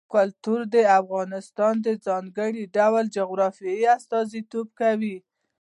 کلتور د افغانستان د ځانګړي ډول جغرافیه استازیتوب کوي.